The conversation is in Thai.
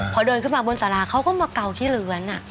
พอเดินขึ้นมาบนสาราเขาก็มาเกาที่เรือน